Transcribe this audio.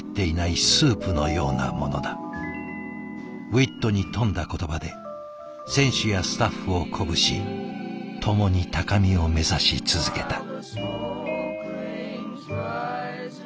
ウイットに富んだ言葉で選手やスタッフを鼓舞し共に高みを目指し続けた。